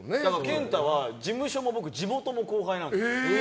健太は事務所も地元も後輩なんです。